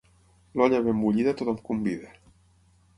L'olla ben bullida a tothom convida.